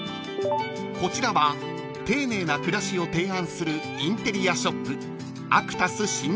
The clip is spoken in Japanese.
［こちらは丁寧な暮らしを提案するインテリアショップ］